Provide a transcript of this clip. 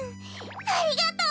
ありがとう！